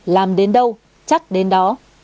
làm đến đâu chắc đến đó